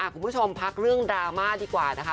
คุณผู้ชมพักเรื่องดราม่าดีกว่านะคะ